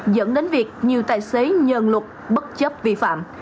dẫn đến việc nhiều tài xế nhờn luật bất chấp vi phạm